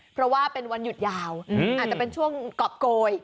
เพราะว่าเป็นวันหยุดยาวอาจจะเป็นช่วงกรอบโกย